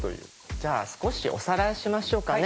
じゃあ少しおさらいしましょうかね。